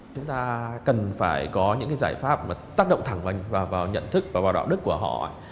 chúng ta cần phải có những giải pháp mà tác động thẳng vào nhận thức và vào đạo đức của họ